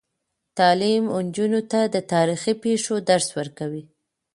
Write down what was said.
تعلیم نجونو ته د تاریخي پیښو درس ورکوي.